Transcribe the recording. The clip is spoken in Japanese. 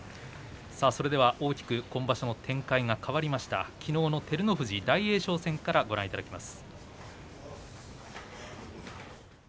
それでは大きく今場所の展開が変わりましたきのうの照ノ富士、大栄翔戦からご覧いただきます。